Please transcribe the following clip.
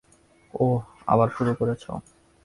অহ, আবার শুরু করেছ!